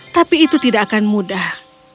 tapi itu tidak akan mudah